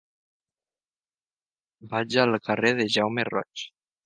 Vaig al carrer de Jaume Roig.